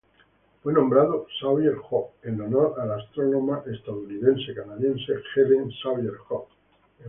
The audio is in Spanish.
Fue nombrado Sawyer Hogg en honor a la astrónoma estadounidense canadiense Helen Sawyer Hogg.